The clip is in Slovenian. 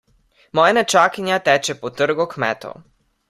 Moja nečakinja teče po trgu kmetov.